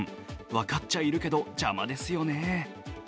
分かっちゃいるけど邪魔ですよね。